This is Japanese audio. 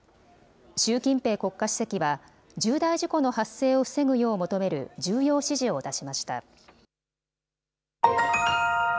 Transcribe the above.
習近平国家主席は、重大事故の発生を防ぐよう求める重要指示を出しました。